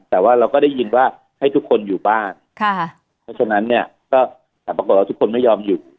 แต่ว่าเราก็ได้ยินว่าให้ทุกคนอยู่บ้านเพราะฉะนั้นเนี่ยก็แต่ปรากฏว่าทุกคนไม่ยอมหยุด